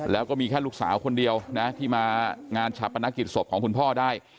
แล้วก็มีแค่ลูกสาวคนเดียวนะที่มางานชาปนกิจศพของคุณพ่อได้